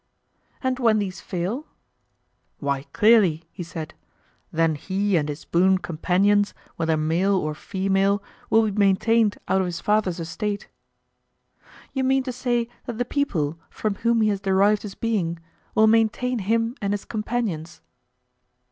And when these fail? Why, clearly, he said, then he and his boon companions, whether male or female, will be maintained out of his father's estate. You mean to say that the people, from whom he has derived his being, will maintain him and his companions?